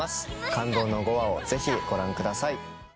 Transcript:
感動の５話をぜひご覧ください